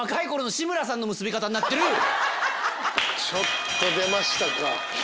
ちょっと出ましたか。